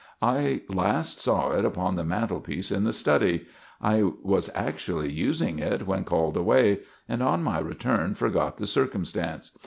I last saw it upon the mantelpiece in the study. I was actually using it when called away, and on my return forgot the circumstance.